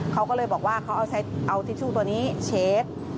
เขาก็เลยบอกว่าเขาเอาทิชชู่ตัวนี้เชฟ